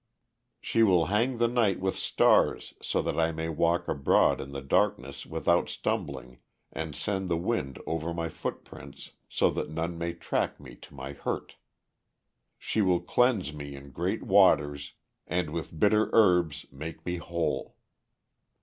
She will hang the night with stars so that I may walk abroad in the darkness without stumbling, and send the wind over my footprints so that none may track me to my hurt. She will cleanse me in great waters, and with bitter herbs make me whole."